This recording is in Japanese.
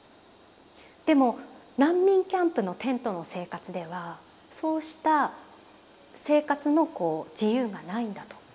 でも難民キャンプのテントの生活ではそうした生活の自由がないんだと。